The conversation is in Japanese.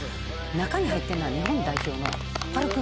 中に入ってるのは日本代表のパルクール選手。